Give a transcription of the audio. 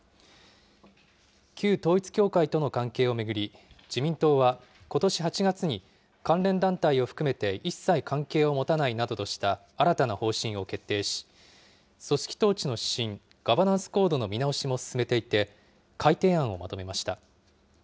旧統一教会との関係を巡り、自民党は、ことし８月に関連団体を含めて一切関係を持たないなどとした新たな方針を決定し、組織統治の指針、ガバナンス・コードの見直しも進めていて、改訂案をまとめました。